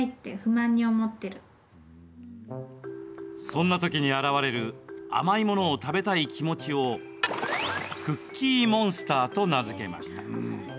そんなときに現れる甘いものを食べたい気持ちをクッキーモンスターと名付けました。